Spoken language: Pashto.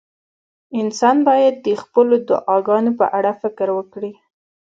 انسان باید د خپلو دعاګانو په اړه فکر وکړي.